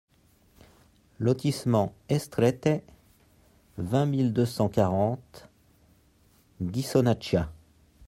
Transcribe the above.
Lotissement e Strette, vingt mille deux cent quarante Ghisonaccia